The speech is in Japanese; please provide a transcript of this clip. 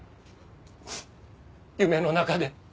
夢の中で。